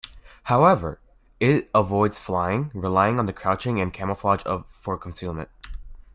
However, it avoids flying, relying on crouching and camouflage for concealment.